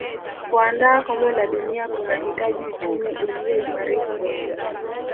kuandaa kombe la dunia kunahitaji uchumi uliyoimarika